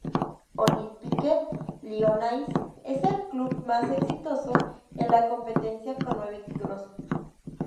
Olympique Lyonnais es el club más exitoso en la competencia, con nueve títulos.